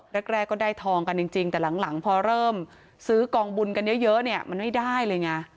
แรกก็ได้ทองกันจริงแต่หลังพอเริ่มซื้อกองบุญกันเยอะเนี่ยมันไม่ได้เลยไง